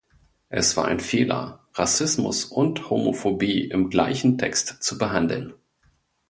Es war ein Fehler, Rassismus und Homophobie im gleichen Text zu behandeln.